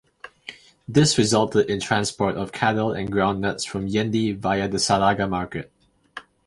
This resulted in transport of cattle and groundnuts from Yendi via the Salaga market.